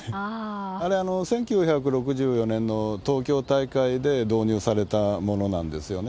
あれ、１９６４年の東京大会で導入されたものなんですよね。